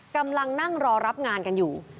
กำลังนั่งรอรับงานกันอยู่